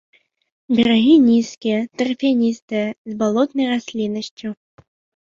Берагі нізкія, тарфяністыя з балотнай расліннасцю.